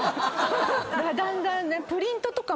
だんだん。